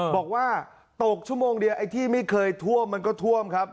บอกว่าตกชั่วโมงเดียวไอ้ที่ไม่เคยท่วมมันก็ท่วมครับ